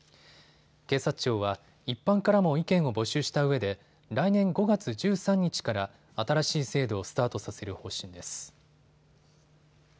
警察庁は一般からも意見を募集したうえで来年５月１３日から新しい制度をスタートさせる方針です。